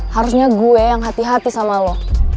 harusnya gue yang hati hati sama lo